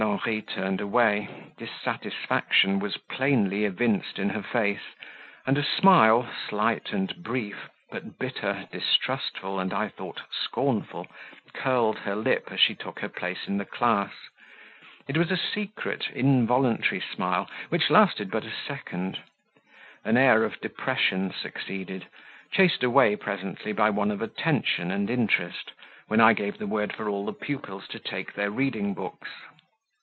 Henri turned away; dissatisfaction was plainly evinced in her face, and a smile, slight and brief, but bitter, distrustful, and, I thought, scornful, curled her lip as she took her place in the class; it was a secret, involuntary smile, which lasted but a second; an air of depression succeeded, chased away presently by one of attention and interest, when I gave the word for all the pupils to take their reading books.